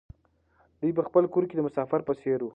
دی په خپل کور کې د مسافر په څېر و.